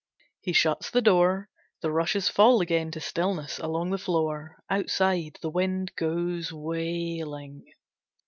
He shuts the door. The rushes fall again to stillness along the floor. Outside, the wind goes wailing.